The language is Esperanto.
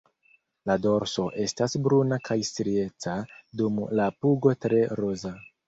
La dorso estas bruna kaj strieca, dum la pugo tre roza.